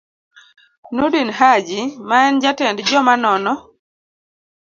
Nordin Hajji, ma en jatend joma nono